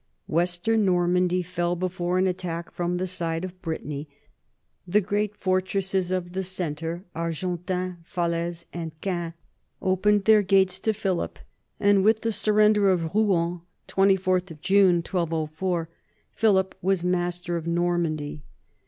Western Normandy fell before an attack from the side of Brittany; the great fortresses of the centre, Argentan, Falaise, and Caen, opened their gates to Philip; and with the surrender of Rouen, 24 June, 1204, Philip was master of Normandy.